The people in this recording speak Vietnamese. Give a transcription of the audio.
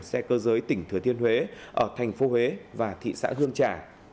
xe cơ giới tỉnh thừa thiên huế ở thành phố huế và thị xã hương trà